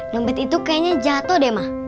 numbet itu kayaknya jatuh deh mah